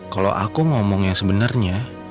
kalau aku ngomong yang sebenarnya